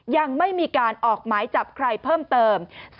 ยังไม่มีการออกหมายจับใครเพิ่มเติม